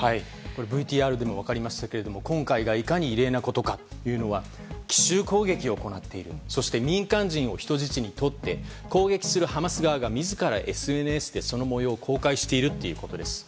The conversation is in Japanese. ＶＴＲでも分かりましたけど今回がいかに異例なことかというのは奇襲攻撃を行っているそして民間人を人質にとって攻撃するハマス側が自らＳＮＳでその模様を公開しているということです。